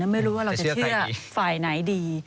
ไม่รู้ว่าเราจะเชื่อฝ่ายไหนดี